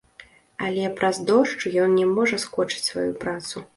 Але праз дождж ён не можа скочыць сваю працу.